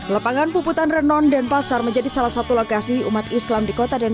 lapangan puputan renon dan pasar menjadi salah satu lokasi umat islam di kota dan